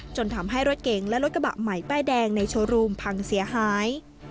จนทำให้รถเก๋งและรถกระบะใหม่ป้ายแดงในโชว์รูมพังเสียหาย